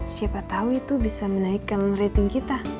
siapa tahu itu bisa menaikkan rating kita